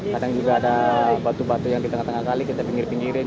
kadang juga ada batu batu yang di tengah tengah kali kita pinggir pinggirin